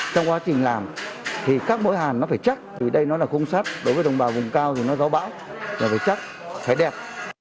trong quá trình làm thì các mẫu hàn nó phải chắc vì đây nó là khung sắt đối với đồng bào vùng cao thì nó gió bão là phải chắc phải đẹp